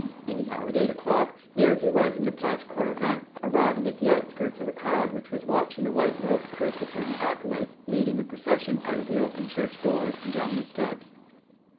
Anyhow, at eight o'clock, there he was in the Place Cornavin, arriving at the outskirts of the crowd which was watching the white robed crucifer and acolytes leading the procession out of the open church doors and down the steps.